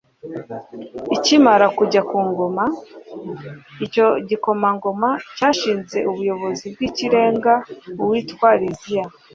akimara kujya ku ngoma, icyo gikomangoma cyashinze ubuyobozi bw'ikirenga uwitwa liziya